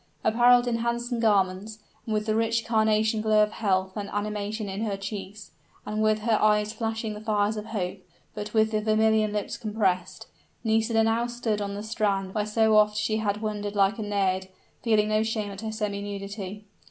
Appareled in handsome garments, and with the rich carnation glow of health and animation on her cheeks, and with her eyes flashing the fires of hope, but with the vermilion lips compressed, Nisida now stood on the strand where so oft she had wandered like a naiad, feeling no shame at her semi nudity.